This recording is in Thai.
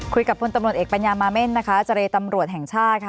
พลตำรวจเอกปัญญามาเม่นนะคะเจรตำรวจแห่งชาติค่ะ